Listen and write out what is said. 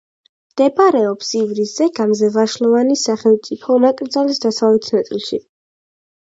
მდებარეობს ივრის ზეგანზე, ვაშლოვანის სახელმწიფო ნაკრძალის დასავლეთ ნაწილში.